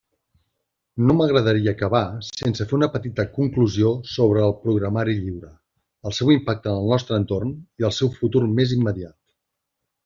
No m'agradaria acabar sense fer una petita conclusió sobre el programari lliure, el seu impacte en el nostre entorn, i el seu futur més immediat.